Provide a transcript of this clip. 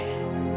terima kasih pak